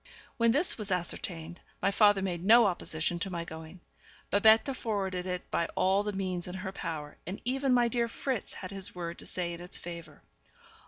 When this was ascertained, my father made no opposition to my going; Babette forwarded it by all the means in her power, and even my dear Fritz had his word to say in its favour.